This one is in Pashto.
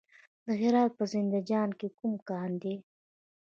د هرات په زنده جان کې کوم کان دی؟